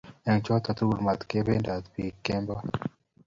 eng choto tugul, matabendat biin kemoi